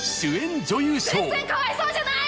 全然かわいそうじゃない！